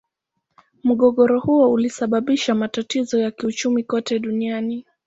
Mgogoro huo ulisababisha matatizo ya kiuchumi kote duniani.